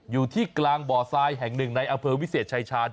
อยู่ที่กลางบ่อทรายแห่งหนึ่งในอำเภอวิเศษชายชาญ